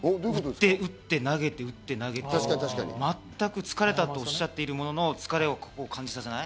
打って投げて打って、まったく疲れたとはおっしゃっているものの疲れを感じさせない。